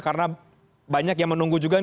karena banyak yang menunggu juga